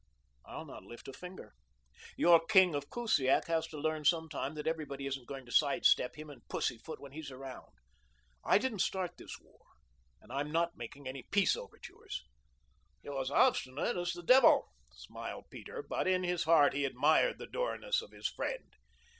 I'll not lift a finger. Your king of Kusiak has to learn some time that everybody isn't going to sidestep him and pussyfoot when he's around. I didn't start this war and I'm not making any peace overtures." "You're as obstinate as the devil," smiled Peter, but in his heart he admired the dourness of his friend.